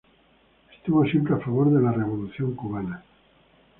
Estuvo siempre a favor de la Revolución Cubana.